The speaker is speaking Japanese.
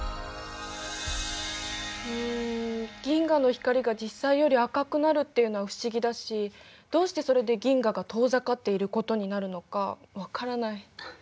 うん銀河の光が実際より赤くなるっていうのは不思議だしどうしてそれで銀河が遠ざかっていることになるのか分からない。